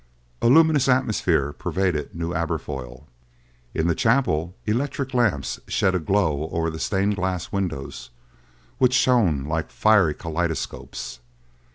A luminous atmosphere pervaded New Aberfoyle. In the chapel, electric lamps shed a glow over the stained glass windows, which shone like fiery kaleidoscopes.